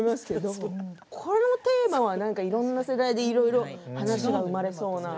このテーマはいろんな世代でいろいろ話が生まれそうな。